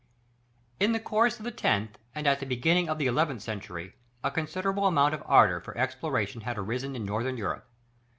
In the course of the tenth, and at the beginning of the eleventh century, a considerable amount of ardour for exploration had arisen in Northern Europe.